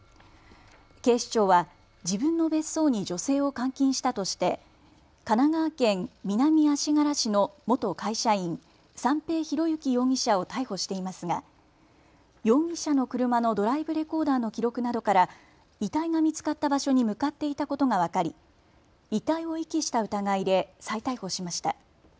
警視庁は自分の別荘に女性を監禁したとして神奈川県南足柄市の元会社員、三瓶博幸容疑者を逮捕していますが容疑者の車のドライブレコーダーの記録などから遺体が見つかった場所に向かっていたことが分かり遺体を遺棄した疑いで再逮捕しました。